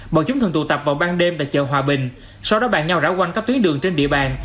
bọn chúng thường tụ tập vào ban đêm tại chợ hòa bình sau đó bạn nhau rão quanh các tuyến đường trên địa bàn